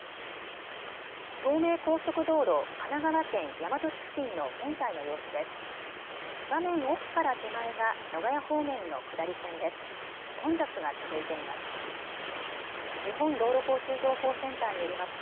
東名高速道路、神奈川県大和市付近の現在の様子です。